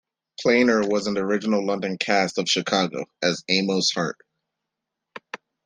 Planer was in the original London cast of "Chicago", as Amos Hart.